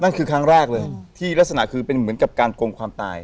ครั้งแรกเลยที่ลักษณะคือเป็นเหมือนกับการโกงความตาย